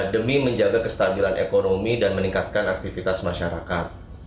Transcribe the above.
demi menjaga kestabilan ekonomi dan meningkatkan aktivitas masyarakat